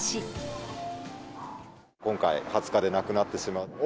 今回、２０日でなくなってしまう。